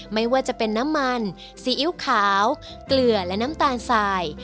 ไม่ว่าจะเป็นน้ำมันซีอิ๊วขาวเกลือและน้ำตาลสาย